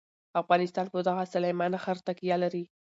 افغانستان په دغه سلیمان غر تکیه لري.